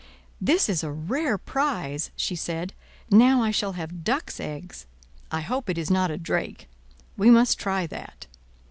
"This is a rare prize!" she said, "Now I shall have ducks' eggs. I hope it is not a drake. We must try that."